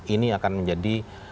ini akan menjadi